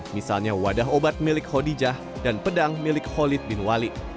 misalnya wadah obat milik khodijah dan pedang milik khalid bin wali